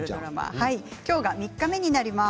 今日が３日目になります。